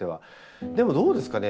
でもどうですかね。